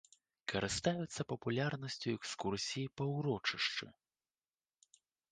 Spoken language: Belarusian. Карыстаюцца папулярнасцю экскурсіі па ўрочышчы.